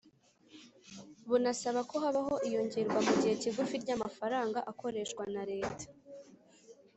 bunasaba ko habaho iyongerwa mu gihe kigufi ry'amafaranga akoreshwa na leta